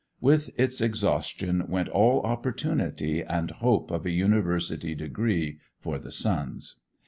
With its exhaustion went all opportunity and hope of a university degree for the sons.